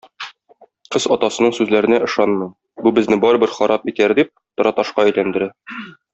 Кыз атасының сүзләренә ышанмый, бу безне барыбер харап итәр дип, тораташка әйләндерә.